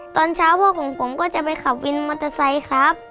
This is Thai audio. ตอนเช้าพ่อของผมก็จะไปขับวินมอเตอร์ไซค์ครับ